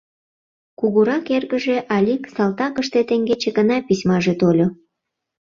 Кугурак эргыже, Алик, салтакыште, теҥгече гына письмаже тольо.